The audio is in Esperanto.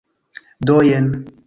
Do, jen.